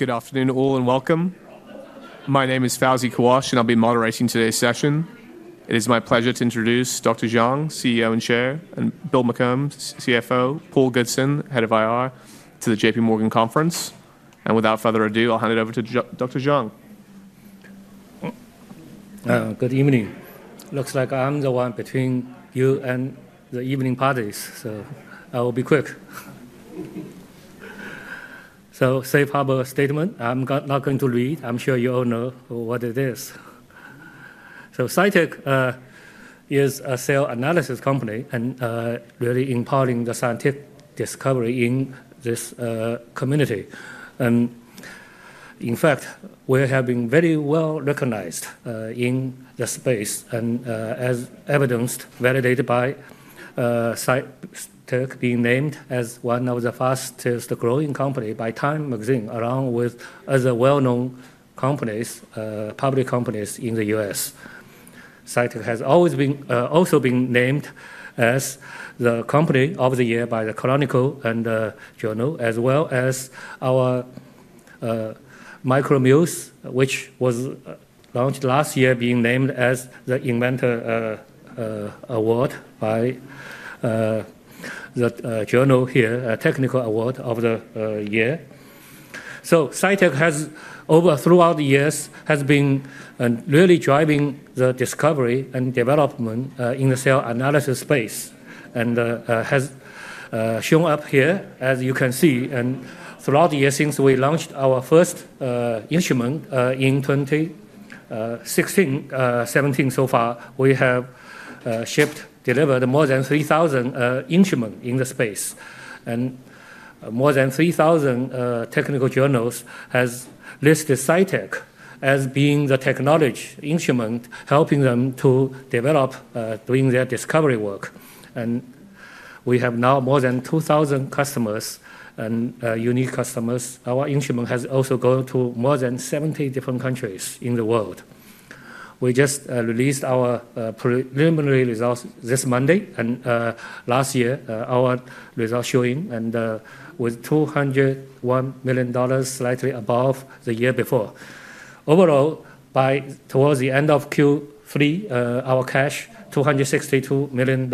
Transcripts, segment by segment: Good afternoon, all, and welcome. My name is Fawzi Kawash, and I'll be moderating today's session. It is my pleasure to introduce Dr. Jiang, CEO and Chair, and Bill McCombe, CFO, Paul Goodson, Head of IR, to the JPMorgan Conference. And without further ado, I'll hand it over to Dr. Jiang. Good evening. Looks like I'm the one between you and the evening parties, so I will be quick so safe harbor statement. I'm not going to read. I'm sure you all know what it is so Cytek is a cell analysis company and really empowering the scientific discovery in this community. In fact, we have been very well recognized in the space, and as evidenced, validated by Cytek being named as one of the fastest growing companies by TIME, along with other well-known companies, public companies in the U.S. Cytek has also been named as the Company of the Year by the Clinical Leader and the Journal, as well as our Guava Muse, which was launched last year, being named as the Innovation Award by the Journal here, a Technical Award of the Year. Cytek has, throughout the years, been really driving the discovery and development in the cell analysis space and has shown up here, as you can see. Throughout the years, since we launched our first instrument in 2016, 2017 so far, we have shipped, delivered more than 3,000 instruments in the space. More than 3,000 technical journals have listed Cytek as being the technology instrument, helping them to develop during their discovery work. We have now more than 2,000 customers and unique customers. Our instrument has also gone to more than 70 different countries in the world. We just released our preliminary results this Monday, and last year, our results showing with $201 million, slightly above the year before. Overall, by towards the end of Q3, our cash, $262 million.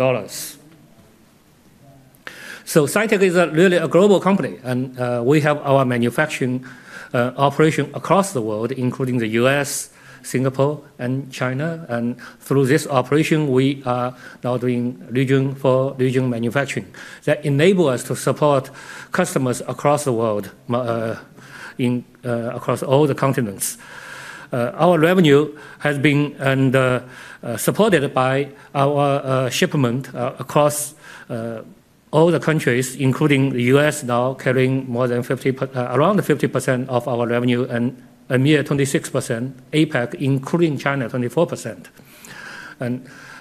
Cytek is really a global company, and we have our manufacturing operation across the world, including the U.S., Singapore, and China. Through this operation, we are now doing region-for-region manufacturing that enables us to support customers across the world, across all the continents. Our revenue has been supported by our shipment across all the countries, including the U.S., now carrying more than 50, around 50% of our revenue and a mere 26% APAC, including China, 24%.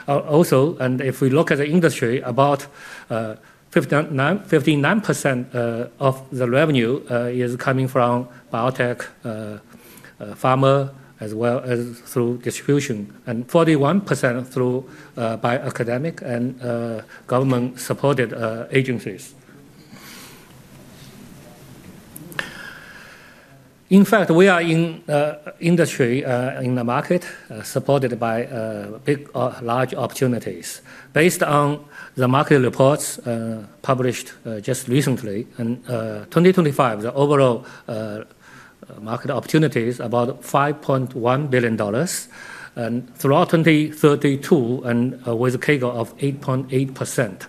Also, if we look at the industry, about 59% of the revenue is coming from biotech, pharma, as well as through distribution, and 41% through academic and government-supported agencies. In fact, we are in industry, in the market, supported by big or large opportunities. Based on the market reports published just recently, in 2025, the overall market opportunity is about $5.1 billion, and throughout 2032, and with a CAGR of 8.8%.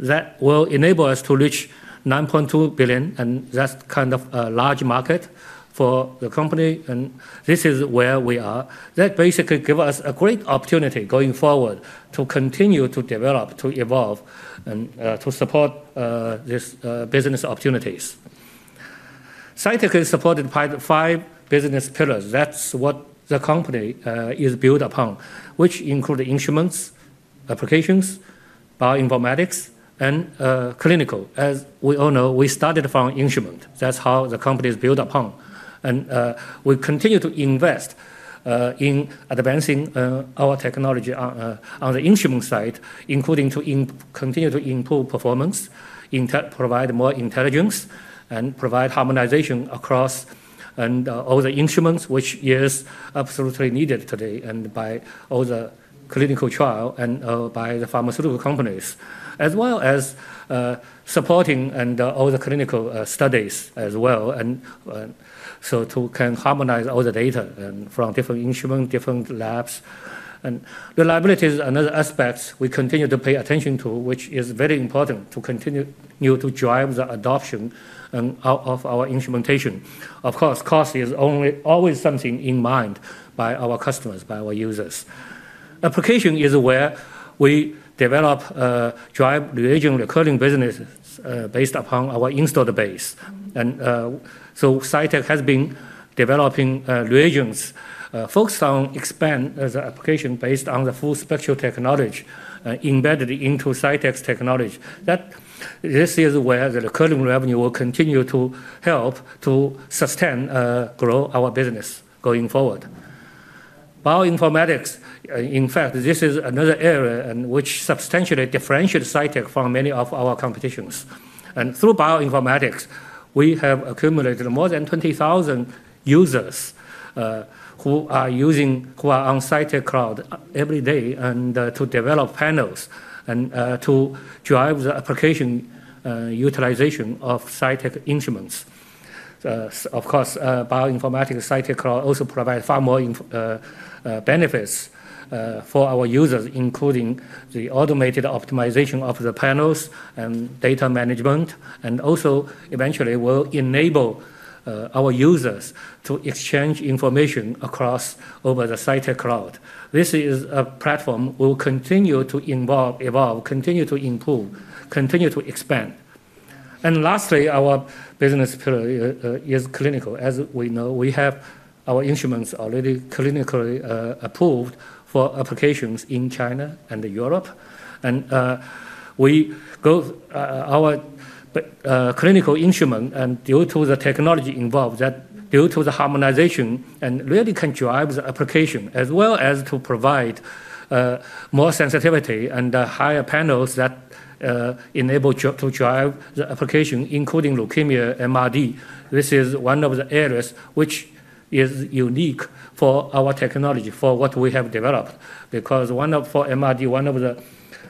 That will enable us to reach $9.2 billion, and that's kind of a large market for the company, and this is where we are. That basically gives us a great opportunity going forward to continue to develop, to evolve, and to support these business opportunities. Cytek is supported by the five business pillars. That's what the company is built upon, which include instruments, applications, bioinformatics, and clinical. As we all know, we started from instrument. That's how the company is built upon. And we continue to invest in advancing our technology on the instrument side, including to continue to improve performance, provide more intelligence, and provide harmonization across all the instruments, which is absolutely needed today, and by all the clinical trials, and by the pharmaceutical companies, as well as supporting all the clinical studies as well, so to can harmonize all the data from different instruments, different labs. Reliability is another aspect we continue to pay attention to, which is very important to continue to drive the adoption of our instrumentation. Of course, cost is always something in mind by our customers, by our users. Application is where we develop, drive reagent-recurring business based upon our installed base. So Cytek has been developing reagents focused on expanding the application based on the full spectral technology embedded into Cytek's technology. This is where the recurring revenue will continue to help to sustain and grow our business going forward. Bioinformatics, in fact, this is another area which substantially differentiates Cytek from many of our competitors. Through bioinformatics, we have accumulated more than 20,000 users who are on Cytek Cloud every day to develop panels and to drive the application utilization of Cytek instruments. Of course, bioinformatics. Cytek Cloud also provides far more benefits for our users, including the automated optimization of the panels and data management, and also eventually will enable our users to exchange information across over the Cytek Cloud. This is a platform we'll continue to evolve, continue to improve, continue to expand. And lastly, our business pillar is clinical. As we know, we have our instruments already clinically approved for applications in China and Europe. And our clinical instrument, and due to the technology involved, that due to the harmonization and really can drive the application, as well as to provide more sensitivity and higher panels that enable to drive the application, including leukemia MRD. This is one of the areas which is unique for our technology, for what we have developed, because for MRD, one of the,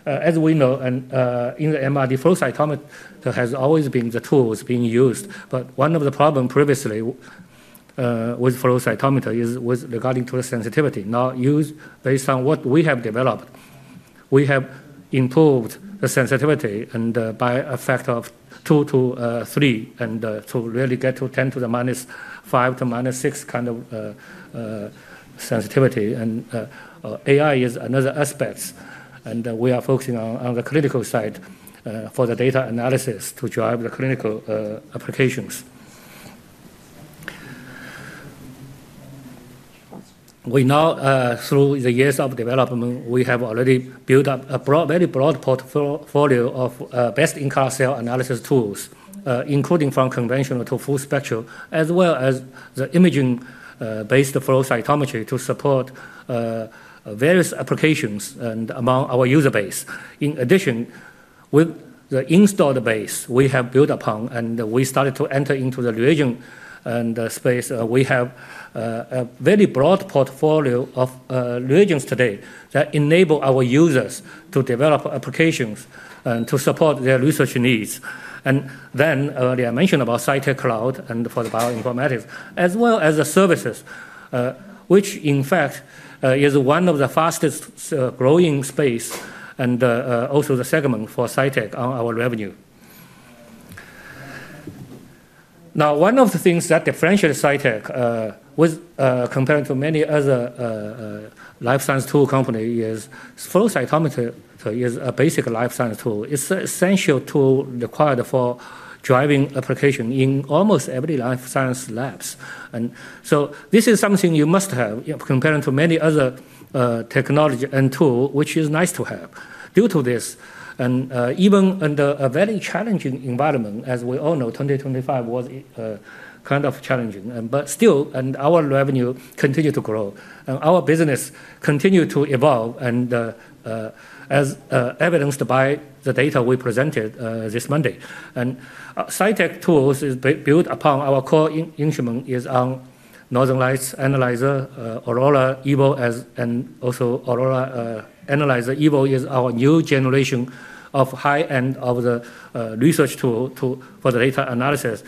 as we know, flow cytometry has always been the tool being used. But one of the problems previously with flow cytometry is regarding the sensitivity. Now, based on what we have developed, we have improved the sensitivity by a factor of two to three and to really get to 10 to the -5 to -6 kind of sensitivity. AI is another aspect. We are focusing on the clinical side for the data analysis to drive the clinical applications. We now, through the years of development, we have already built up a very broad portfolio of best-in-class cell analysis tools, including from conventional to full spectral, as well as the imaging-based flow cytometry to support various applications among our user base. In addition, with the installed base we have built upon and we started to enter into the reagent space, we have a very broad portfolio of reagents today that enable our users to develop applications and to support their research needs. And then I mentioned about Cytek Cloud and for the bioinformatics, as well as the services, which in fact is one of the fastest growing space and also the segment for Cytek on our revenue. Now, one of the things that differentiates Cytek, compared to many other life science tool companies, is flow cytometry is a basic life science tool. It's essential tool required for driving applications in almost every life sciences labs, so this is something you must have compared to many other technology and tool, which is nice to have. Due to this, and even under a very challenging environment, as we all know, 2024 was kind of challenging, but still, our revenue continued to grow, and our business continued to evolve, as evidenced by the data we presented this Monday, and Cytek tools is built upon our core instrument, Orion, Northern Lights Analyzer, Aurora Evo, and also Aurora Analyzer. Evo is our new generation of high-end research tool for the data analysis,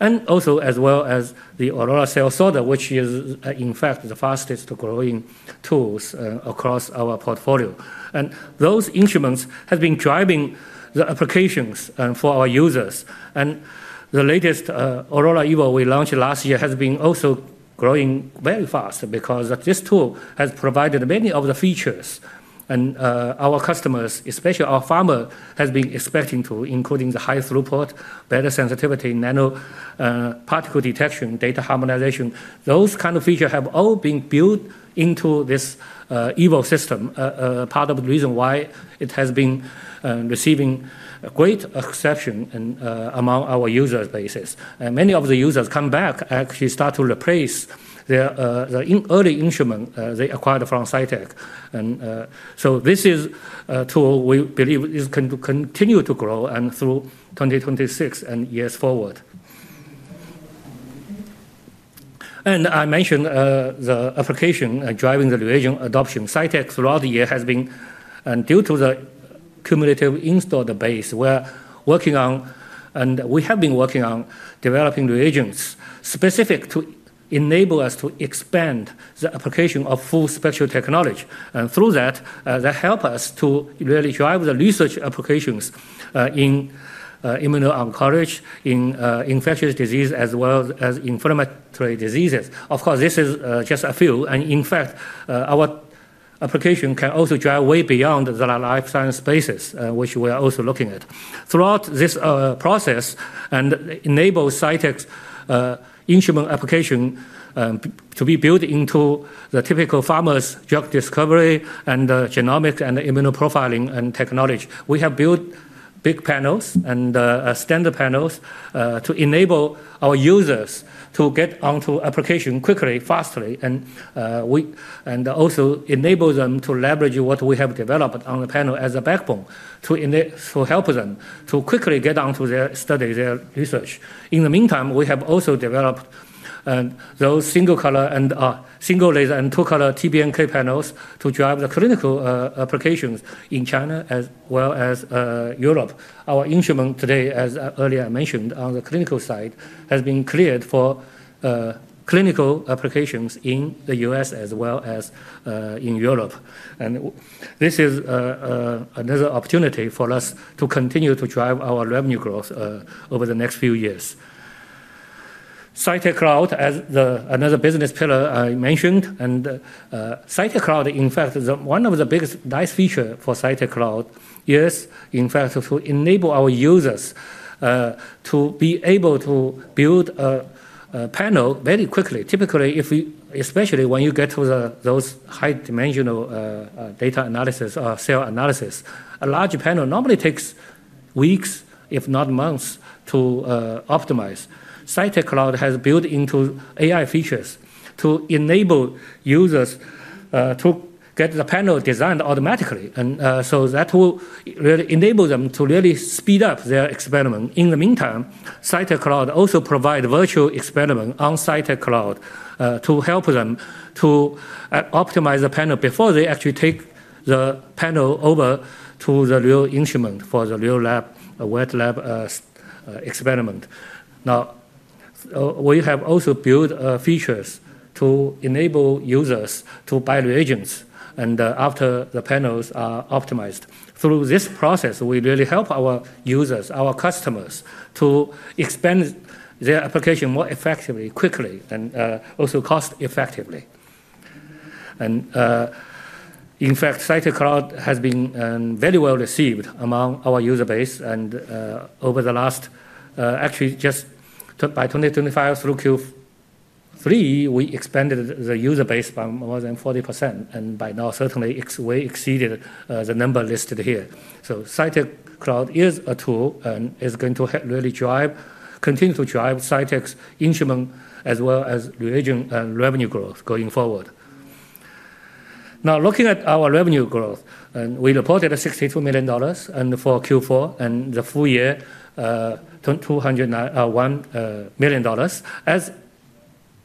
and also as well as the Aurora Cell Sorter, which is in fact the fastest growing tools across our portfolio, and those instruments have been driving the applications for our users. And the latest Aurora Evo we launched last year has been also growing very fast because this tool has provided many of the features. And our customers, especially our pharma, have been expecting to, including the high throughput, better sensitivity, nanoparticle detection, data harmonization. Those kind of features have all been built into this Evo system, part of the reason why it has been receiving great acceptance among our user bases. And many of the users come back, actually start to replace the early instrument they acquired from Cytek. And so this is a tool we believe is going to continue to grow through 2026 and years forward. And I mentioned the application and driving the regional adoption. Cytek throughout the year has been, and due to the cumulative installed base, we're working on, and we have been working on developing reagents specific to enable us to expand the application of full spectral technology. And through that, that helps us to really drive the research applications in immuno-oncology, in infectious disease, as well as inflammatory diseases. Of course, this is just a few. And in fact, our application can also drive way beyond the life science basis, which we are also looking at. Throughout this process and enable Cytek's instrument application to be built into the typical pharma's drug discovery and genomic and immunoprofiling and technology, we have built big panels and standard panels to enable our users to get onto application quickly, fastly, and also enable them to leverage what we have developed on the panel as a backbone to help them to quickly get onto their study, their research. In the meantime, we have also developed those single-color and single-laser and six-color TBNK panels to drive the clinical applications in China as well as Europe. Our instrument today, as earlier I mentioned, on the clinical side has been cleared for clinical applications in the U.S. as well as in Europe, and this is another opportunity for us to continue to drive our revenue growth over the next few years. Cytek Cloud, as another business pillar I mentioned, and Cytek Cloud, in fact, one of the biggest nice features for Cytek Cloud is, in fact, to enable our users to be able to build a panel very quickly. Typically, especially when you get to those high-dimensional data analysis or cell analysis, a large panel normally takes weeks, if not months, to optimize. Cytek Cloud has built into AI features to enable users to get the panel designed automatically. And so that will really enable them to really speed up their experiment. In the meantime, Cytek Cloud also provides virtual experiment on Cytek Cloud to help them to optimize the panel before they actually take the panel over to the real instrument for the real lab, a wet lab experiment. Now, we have also built features to enable users to buy reagents after the panels are optimized. Through this process, we really help our users, our customers, to expand their application more effectively, quickly, and also cost-effectively. In fact, Cytek Cloud has been very well received among our user base. Over the last, actually, just by 2025, through Q3, we expanded the user base by more than 40%. By now, certainly, we exceeded the number listed here. Cytek Cloud is a tool and is going to really drive, continue to drive Cytek's instrument as well as reagents and revenue growth going forward. Now, looking at our revenue growth, we reported $62 million for Q4 and the full year, $201 million.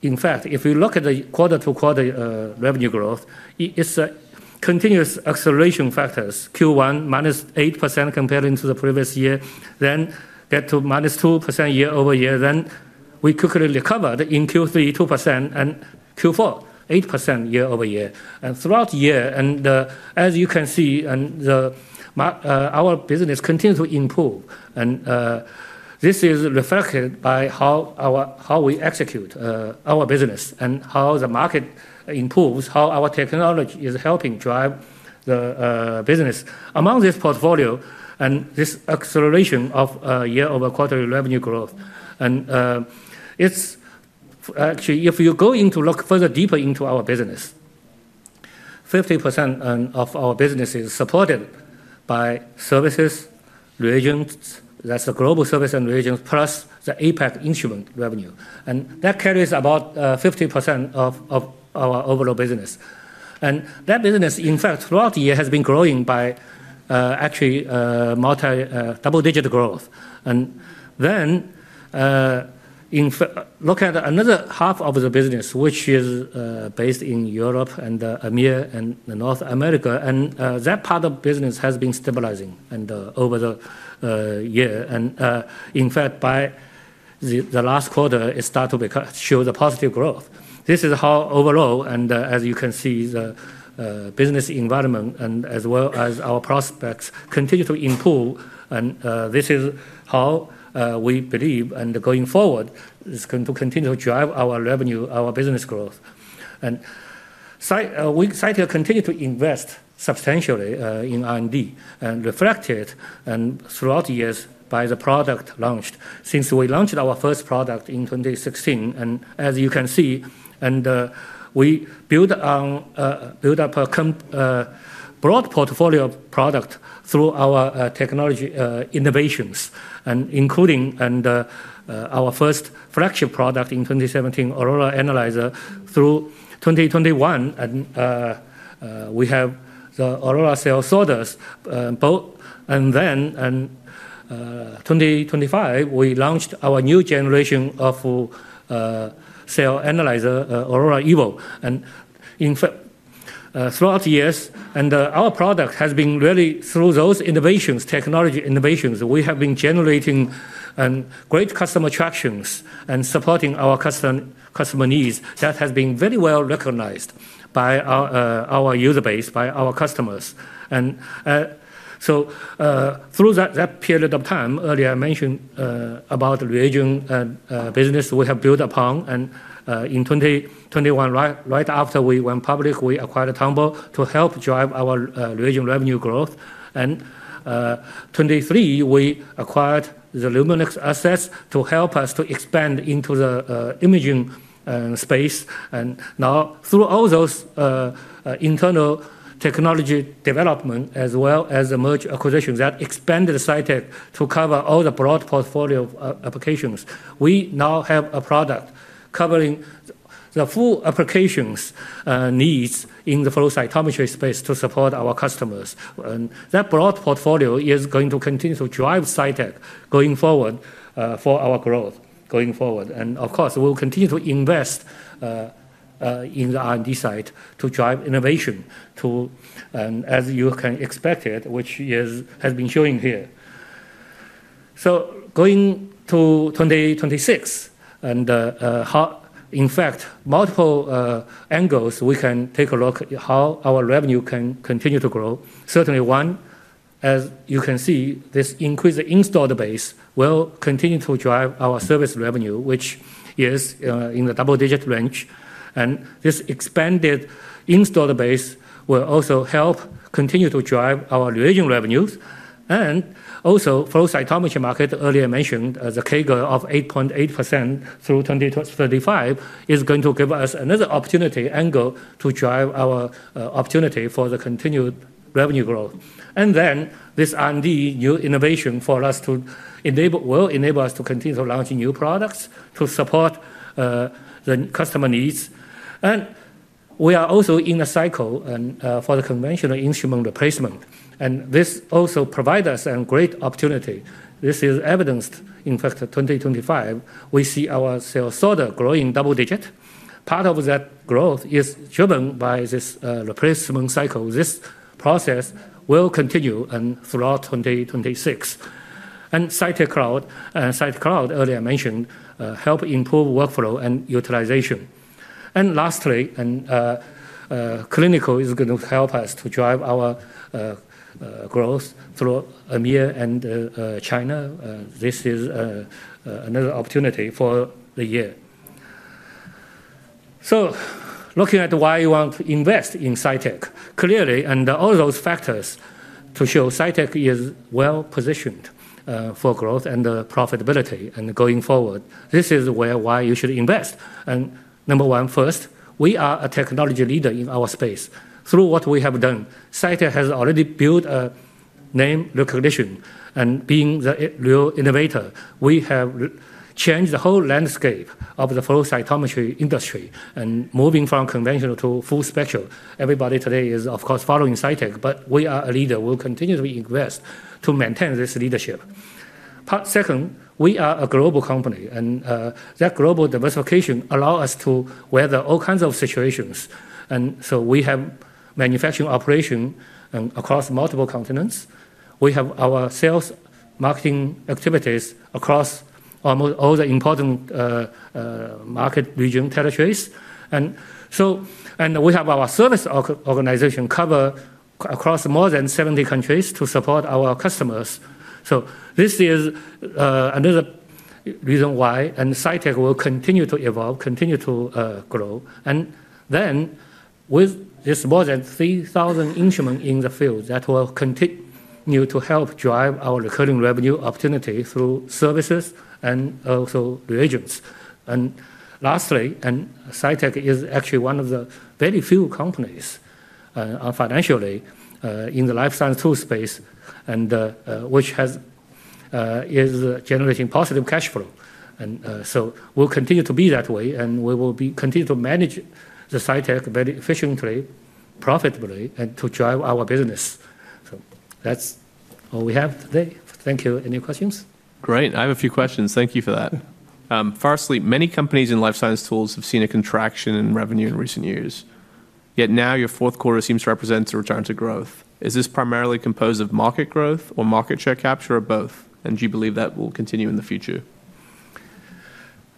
In fact, if you look at the quarter-to-quarter revenue growth, it's a continuous acceleration factors. Q1, -8% compared to the previous year, then get to -2% year-over-year. Then we quickly recovered in Q3, 2%, and Q4, 8% year-over-year. And throughout the year, and as you can see, our business continues to improve. And this is reflected by how we execute our business and how the market improves, how our technology is helping drive the business. Among this portfolio and this acceleration of year-over-quarter revenue growth, and it's actually, if you go into look further deeper into our business, 50% of our business is supported by services, reagents, that's the global service and reagents, plus the APAC instrument revenue. And that carries about 50% of our overall business. And that business, in fact, throughout the year has been growing by actually multi-double-digit growth. And then look at another half of the business, which is based in Europe and the EMEA and North America. And that part of business has been stabilizing over the year. In fact, by the last quarter, it started to show the positive growth. This is how overall, and as you can see, the business environment and as well as our prospects continue to improve. This is how we believe and going forward is going to continue to drive our revenue, our business growth. Cytek continued to invest substantially in R&D and reflected throughout the years by the product launched. Since we launched our first product in 2016, and as you can see, and we built up a broad portfolio of product through our technology innovations, including our first flagship product in 2017, Aurora Analyzer. Through 2021, we have the Aurora CS. Then in 2025, we launched our new generation of cell analyzer, Aurora Evo. In fact, throughout the years, our product has been really through those innovations, technology innovations, we have been generating great customer traction and supporting our customer needs. That has been very well recognized by our user base, by our customers. So through that period of time, earlier I mentioned about the reagent business we have built upon. In 2021, right after we went public, we acquired Tonbo to help drive our reagent revenue growth. In 2023, we acquired the Luminex assets to help us expand into the imaging space. Now, through all those internal technology development, as well as the merger acquisition that expanded Cytek to cover all the broad portfolio of applications, we now have a product covering the full applications needs in the flow cytometry space to support our customers. And that broad portfolio is going to continue to drive Cytek going forward for our growth going forward. And of course, we'll continue to invest in the R&D side to drive innovation to, as you can expect it, which has been showing here. So going to 2026, and in fact, multiple angles, we can take a look at how our revenue can continue to grow. Certainly, one, as you can see, this increased installed base will continue to drive our service revenue, which is in the double-digit range. And this expanded installed base will also help continue to drive our reagent revenues. And also, flow cytometry market, earlier mentioned, the CAGR of 8.8% through 2035 is going to give us another opportunity angle to drive our opportunity for the continued revenue growth. And then this R&D new innovation for us will enable us to continue to launch new products to support the customer needs. And we are also in a cycle for the conventional instrument replacement. And this also provides us a great opportunity. This is evidenced in fact in 2025. We see our Cytek Aurora CS growing double-digit. Part of that growth is driven by this replacement cycle. This process will continue throughout 2026. And Cytek Cloud, as Cytek Cloud earlier mentioned, helps improve workflow and utilization. And lastly, clinical is going to help us to drive our growth through EMEA and China. This is another opportunity for the year. So looking at why you want to invest in Cytek, clearly, and all those factors to show Cytek is well positioned for growth and profitability and going forward, this is why you should invest. Number one, first, we are a technology leader in our space. Through what we have done, Cytek has already built a name recognition. Being the real innovator, we have changed the whole landscape of the flow cytometry industry and moving from conventional to full spectral. Everybody today is, of course, following Cytek, but we are a leader. We'll continue to invest to maintain this leadership. Second, we are a global company. That global diversification allows us to weather all kinds of situations. So we have manufacturing operations across multiple continents. We have our sales marketing activities across almost all the important market region territories. And we have our service organization cover across more than 70 countries to support our customers. This is another reason why Cytek will continue to evolve, continue to grow. And then with this more than 3,000 instruments in the field that will continue to help drive our recurring revenue opportunity through services and also reagents. And lastly, Cytek is actually one of the very few companies financially in the life science tool space, which is generating positive cash flow. And so we'll continue to be that way. And we will continue to manage the Cytek very efficiently, profitably, and to drive our business. So that's all we have today. Thank you. Any questions? Great. I have a few questions. Thank you for that. Firstly, many companies in life science tools have seen a contraction in revenue in recent years. Yet now your fourth quarter seems to represent a return to growth. Is this primarily composed of market growth or market share capture or both? And do you believe that will continue in the future?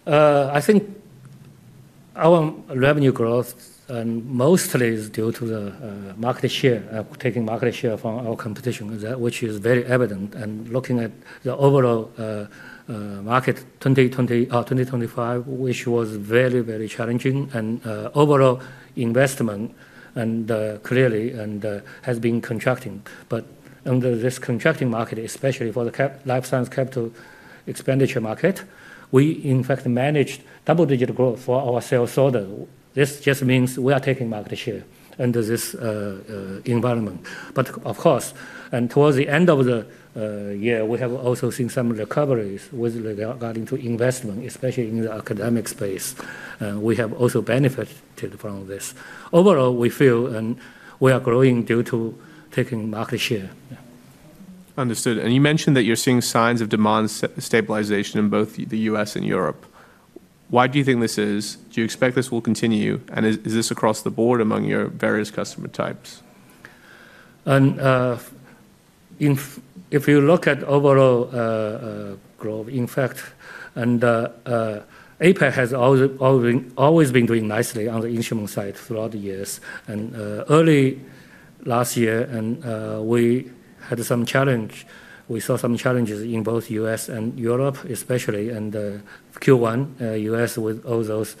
I think our revenue growth mostly is due to the market share, taking market share from our competition, which is very evident. And looking at the overall market 2020 to 2025, which was very, very challenging. And overall investment clearly has been contracting. But under this contracting market, especially for the life science capital expenditure market, we in fact managed double-digit growth for our cell sorter. This just means we are taking market share under this environment. But of course, towards the end of the year, we have also seen some recoveries with regard to investment, especially in the academic space. And we have also benefited from this. Overall, we feel we are growing due to taking market share. Understood. And you mentioned that you're seeing signs of demand stabilization in both the U.S. and Europe. Why do you think this is? Do you expect this will continue? And is this across the board among your various customer types? If you look at overall growth, in fact, APAC has always been doing nicely on the instrument side throughout the years. Early last year, we had some challenge. We saw some challenges in both U.S. and Europe, especially in Q1, U.S. with all those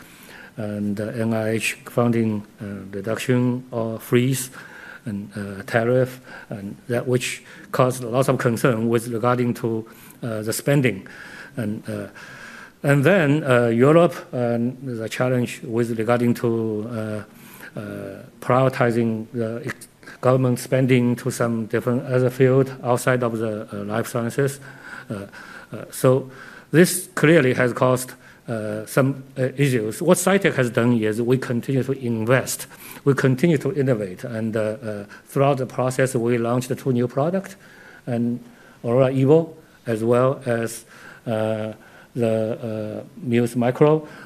and NIH funding reduction or freeze and tariff, which caused lots of concern with regard to the spending. Then Europe, the challenge with regard to prioritizing the government spending to some different other field outside of the life sciences. So this clearly has caused some issues. What Cytek has done is we continue to invest. We continue to innovate. Throughout the process, we launched two new products, and Aurora Evo, as well as the Guava Muse.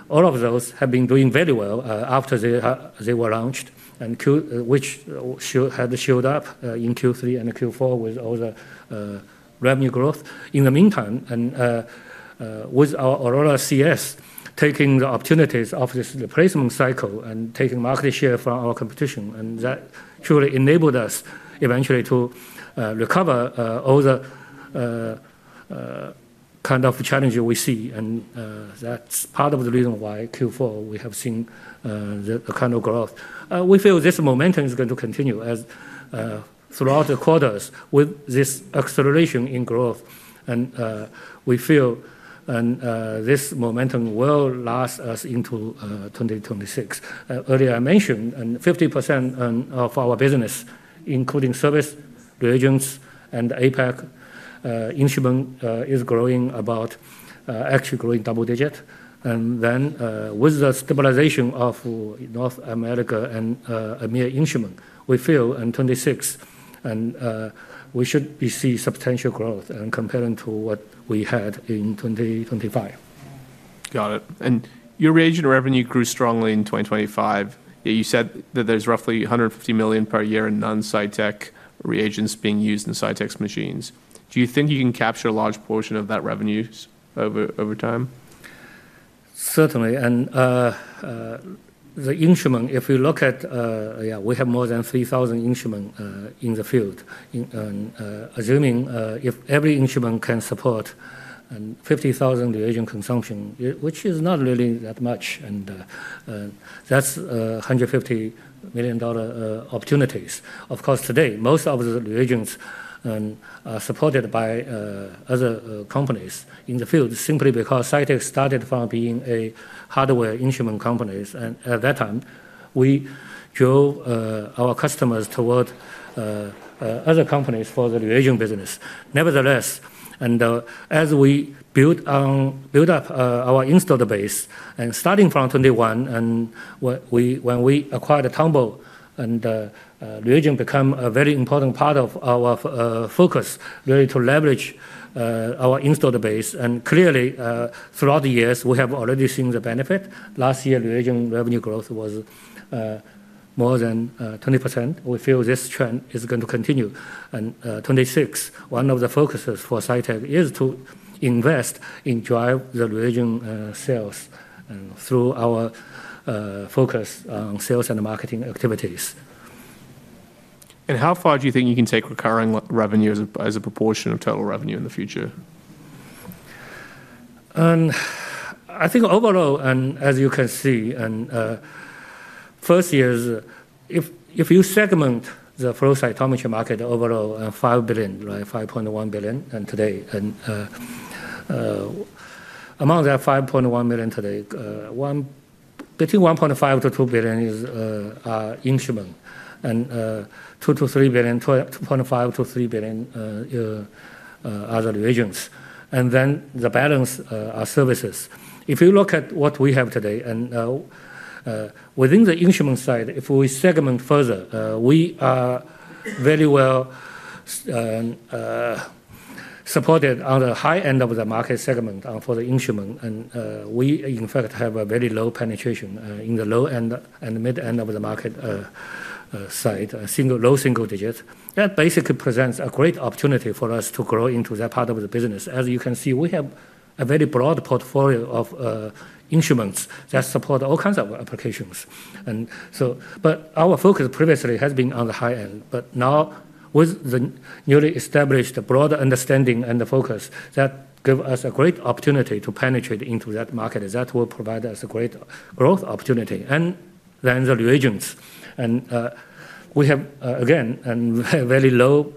All of those have been doing very well after they were launched, which had showed up in Q3 and Q4 with all the revenue growth. In the meantime, and with our Aurora CS taking the opportunities of this replacement cycle and taking market share from our competition, and that truly enabled us eventually to recover all the kind of challenge we see. And that's part of the reason why Q4 we have seen the kind of growth. We feel this momentum is going to continue throughout the quarters with this acceleration in growth. And we feel this momentum will last us into 2026. Earlier I mentioned 50% of our business, including service, reagents, and APAC instrument, is growing about actually growing double-digit. And then with the stabilization of North America and EMEA instrument, we feel in 2026, and we should see substantial growth compared to what we had in 2025. Got it. And your reagent revenue grew strongly in 2025. You said that there's roughly $150 million per year in non-Cytek reagents being used in Cytek's machines. Do you think you can capture a large portion of that revenues over time? Certainly, and the instrument, if you look at, yeah, we have more than 3,000 instruments in the field. Assuming if every instrument can support 50,000 reagent consumption, which is not really that much, and that's $150 million opportunities. Of course, today, most of the reagents are supported by other companies in the field simply because Cytek started from being a hardware instrument company, and at that time, we drove our customers toward other companies for the reagent business. Nevertheless, and as we built up our installed base and starting from 2021, and when we acquired Tonbo, and reagent became a very important part of our focus, really to leverage our installed base, and clearly, throughout the years, we have already seen the benefit. Last year, reagent revenue growth was more than 20%. We feel this trend is going to continue. In 2026, one of the focuses for Cytek is to invest in driving the reagent sales through our focus on sales and marketing activities. How far do you think you can take recurring revenue as a proportion of total revenue in the future? I think overall, and as you can see, and first years, if you segment the flow cytometry market overall, $5 billion, right, $5.1 billion today, and among that $5.1 billion today, between $1.5 billion-$2 billion is instrument. And $2 billion-$3 billion, $2.5 billion-$3 billion are the reagents. And then the balance are services. If you look at what we have today, and within the instrument side, if we segment further, we are very well supported on the high end of the market segment for the instrument. And we, in fact, have a very low penetration in the low end and mid end of the market side, low single digits. That basically presents a great opportunity for us to grow into that part of the business. As you can see, we have a very broad portfolio of instruments that support all kinds of applications. And so, but our focus previously has been on the high end. But now, with the newly established broader understanding and the focus, that gives us a great opportunity to penetrate into that market. That will provide us a great growth opportunity. And then the reagents. And we have, again, a very low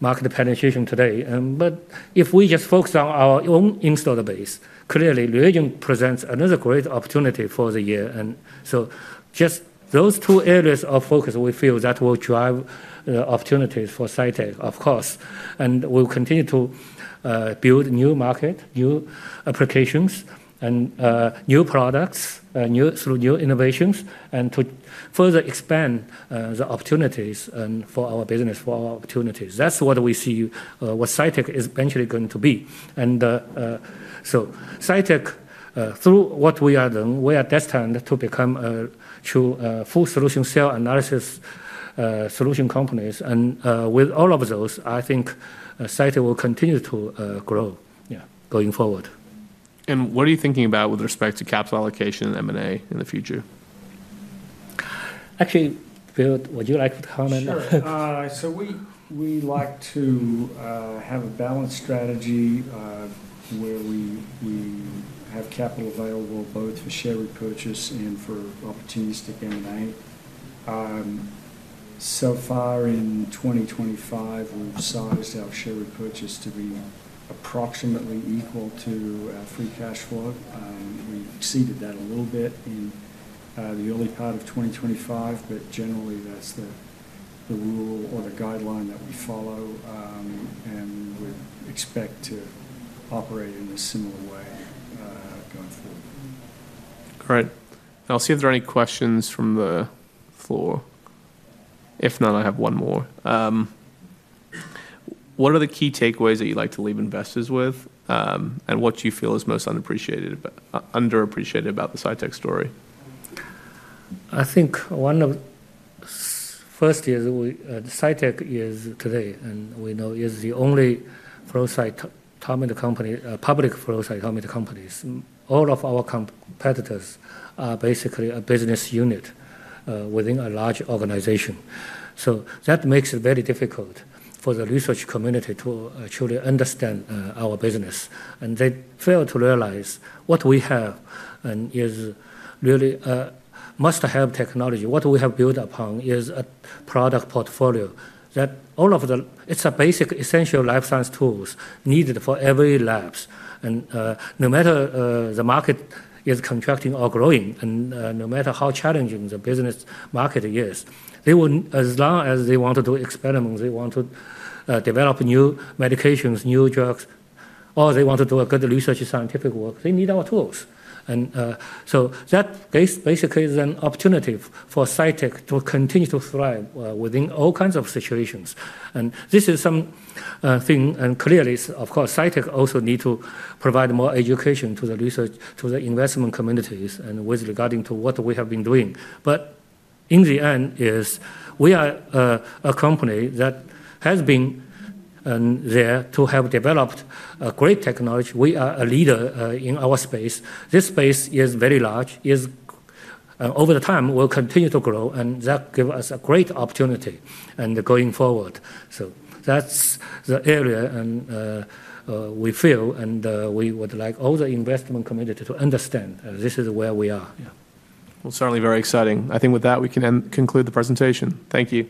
market penetration today. But if we just focus on our own installed base, clearly, reagent presents another great opportunity for the year. And so just those two areas of focus, we feel that will drive the opportunities for Cytek, of course. And we'll continue to build new market, new applications, and new products, through new innovations, and to further expand the opportunities for our business, for our opportunities. That's what we see what Cytek is eventually going to be. And so, Cytek, through what we are doing, we are destined to become a true full solution cell analysis solution company. And with all of those, I think Cytek will continue to grow going forward. What are you thinking about with respect to capital allocation and M&A in the future? Actually, Bill, would you like to comment? So we like to have a balanced strategy where we have capital available both for share repurchase and for opportunistic M&A. So far, in 2025, we've sized our share repurchase to be approximately equal to our free cash flow. We exceeded that a little bit in the early part of 2025, but generally, that's the rule or the guideline that we follow. And we expect to operate in a similar way going forward. Great. I'll see if there are any questions from the floor. If not, I have one more. What are the key takeaways that you'd like to leave investors with, and what do you feel is most underappreciated about the Cytek story? I think one of the first is Cytek is today, and we know is the only flow cytometry company, public flow cytometry company. All of our competitors are basically a business unit within a large organization. So that makes it very difficult for the research community to truly understand our business, and they fail to realize what we have is really a must-have technology. What we have built upon is a product portfolio that all of the it's a basic essential life science tools needed for every labs, and no matter the market is contracting or growing, and no matter how challenging the business market is, they will, as long as they want to do experiments, they want to develop new medications, new drugs, or they want to do a good research scientific work, they need our tools. So that basically is an opportunity for Cytek to continue to thrive within all kinds of situations. This is something, and clearly, of course, Cytek also needs to provide more education to the research, to the investment communities, and with regard to what we have been doing. But in the end, we are a company that has been there to have developed a great technology. We are a leader in our space. This space is very large. Over time, we'll continue to grow, and that gives us a great opportunity going forward. That's the area we feel, and we would like all the investment community to understand this is where we are. Certainly very exciting. I think with that, we can conclude the presentation. Thank you.